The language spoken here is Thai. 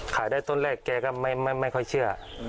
ขายได้ต้นแรกแกก็ไม่ค่อยเชื่อ